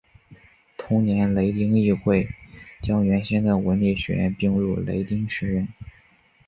同年雷丁议会将原先的文理学院并入雷丁学院。